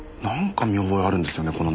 なんか見覚えあるんですよね。